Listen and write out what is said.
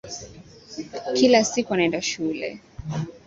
Kila siku anaenda shule